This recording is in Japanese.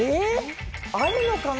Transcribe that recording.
あるのかな？